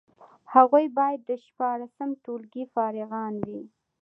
هغوی باید د شپاړسم ټولګي فارغان وي.